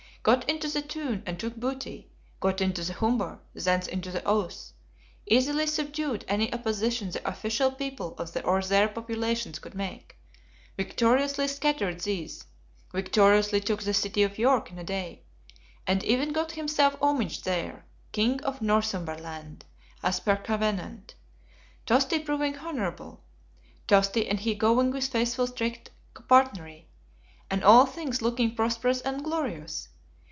Got into the Tyne and took booty; got into the Humber, thence into the Ouse; easily subdued any opposition the official people or their populations could make; victoriously scattered these, victoriously took the City of York in a day; and even got himself homaged there, "King of Northumberland," as per covenant, Tosti proving honorable, Tosti and he going with faithful strict copartnery, and all things looking prosperous and glorious.